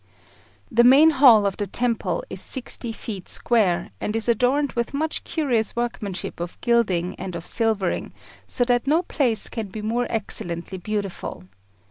The main hall of the temple is sixty feet square, and is adorned with much curious workmanship of gilding and of silvering, so that no place can be more excellently beautiful.